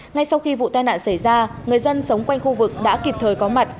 ngay sau khi vụ tai nạn xảy ra người dân sống quanh khu vực đã kịp thời có mặt